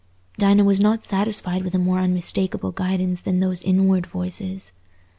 Dinah was not satisfied without a more unmistakable guidance than those inward voices.